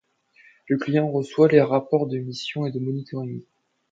Le client reçoit les rapports de mission et de monitoring.